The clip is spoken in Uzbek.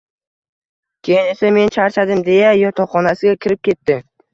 Keyin esa men charchadim deya yotoqxonasiga kirib ketdi